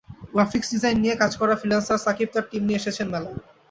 Graphics design নিয়ে কাজ করা ফ্রিল্যান্সার সাকিব তার টিম নিয়ে এসেছেন মেলায়।